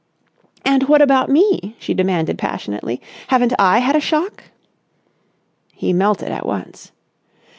"And what about me?" she demanded passionately. "Haven't I had a shock?" He melted at once.